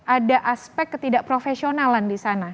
ada aspek ketidakprofesionalan disana